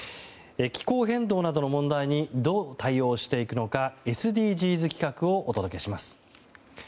気候変動などの問題にどう対応していくのかＳＤＧｓ企画をお届けします。